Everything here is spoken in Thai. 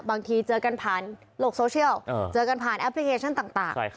บางทีเจอกันผ่านโลกโซเชียลเจอกันผ่านแอปพลิเคชันต่าง